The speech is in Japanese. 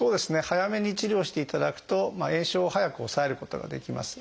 早めに治療していただくと炎症を早く抑えることができます。